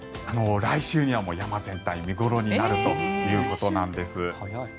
来週にはもう山全体見頃になるということなんです。